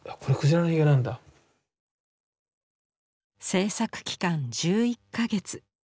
制作期間１１か月